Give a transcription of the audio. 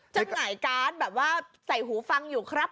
หงายการ์ดแบบว่าใส่หูฟังอยู่ครับ